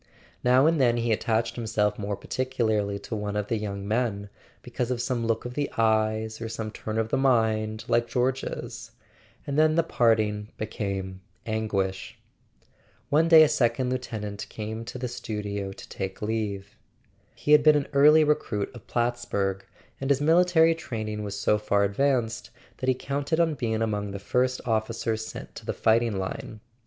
Now and then he attached himself more particularly to one of the young men, because of some look of the eyes or some turn of the mind like George's; and then the parting became anguish. One day a second lieutenant came to the studio to [ 418 ] A SON AT THE FRONT take leave. He had been an early recruit of Plattsburg, and his military training was so far advanced that he counted on being among the first officers sent to the fighting line.